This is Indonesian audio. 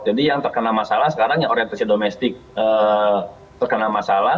jadi yang terkena masalah sekarang yang orientasi domestik terkena masalah